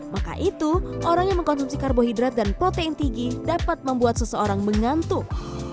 maka itu orang yang mengkonsumsi karbohidrat dan protein tinggi dapat membuat seseorang mengantuk